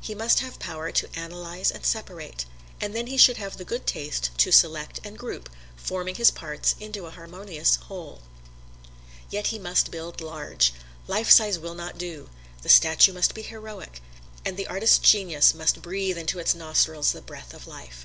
He must have power to analyze and separate, and then he should have the good taste to select and group, forming his parts into a harmonious whole. Yet he must build large. Life size will not do: the statue must be heroic, and the artist's genius must breathe into its nostrils the breath of life.